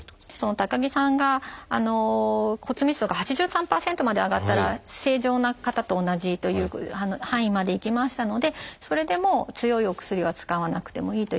高木さんが骨密度が８３％まで上がったら正常な方と同じという範囲までいきましたのでそれでもう強いお薬は使わなくてもいいという